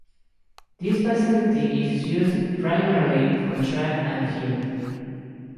This facility is used primarily for track and field.